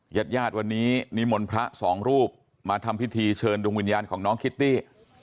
ญาติญาติวันนี้นิมนต์พระสองรูปมาทำพิธีเชิญดวงวิญญาณของน้องคิตตี้